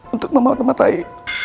untuk memotong matahari